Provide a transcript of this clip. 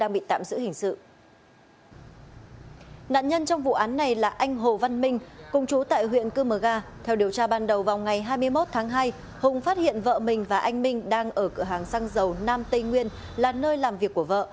bằng đầu vào ngày hai mươi một tháng hai hùng phát hiện vợ mình và anh minh đang ở cửa hàng xăng dầu nam tây nguyên là nơi làm việc của vợ